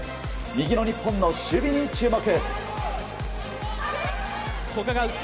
右の日本の守備に注目。